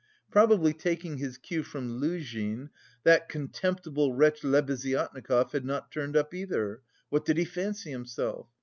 Probably "taking his cue" from Luzhin, "that contemptible wretch Lebeziatnikov had not turned up either. What did he fancy himself?